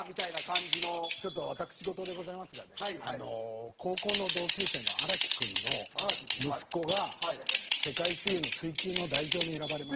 ちょっと私事でございますがね高校の同級生の荒木君の息子が世界水泳の水球の代表に選ばれまして。